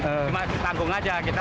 cuma ditanggung aja kita